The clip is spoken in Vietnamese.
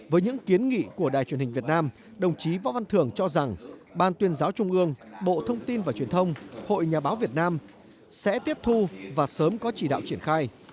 với những kiến nghị của đài truyền hình việt nam đồng chí võ văn thường cho rằng ban tuyên giáo trung ương bộ thông tin và truyền thông hội nhà báo việt nam sẽ tiếp thu và sớm có chỉ đạo triển khai